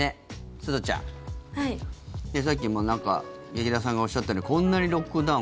すずちゃん、さっきも劇団さんがおっしゃったようにこんなにロックダウン